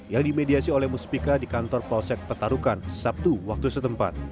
yang dimediasi oleh muspika di kantor polsek petarukan sabtu waktu setempat